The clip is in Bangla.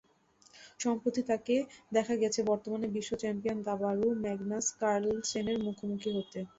সম্প্রতি তাঁকে দেখা গেছে বর্তমানে বিশ্বচ্যাম্পিয়ন দাবাড়ু ম্যাগনাস কার্লসেনের মুখোমুখি হতে।